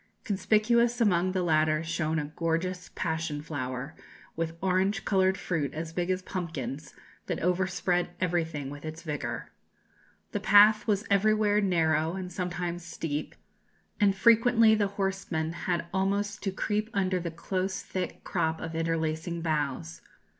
Conspicuous among the latter shone a gorgeous passion flower, with orange coloured fruit as big as pumpkins, that overspread everything with its vigour. The path was everywhere narrow and sometimes steep; and frequently the horseman had almost to creep under the close thick crop of interlacing boughs.